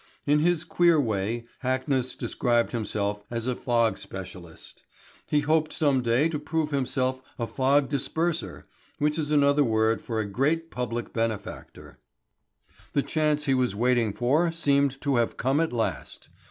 In his queer way Hackness described himself as a fog specialist. He hoped some day to prove himself a fog disperser, which is another word for a great public benefactor. The chance he was waiting for seemed to have come at last.